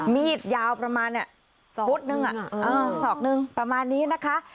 มีดยาวประมาณ๒นึงประมาณนี้นะคะ